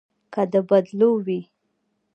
که د بدلو وي.